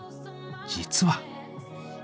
実は。